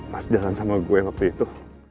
pas jalan sama gue yang waktu itu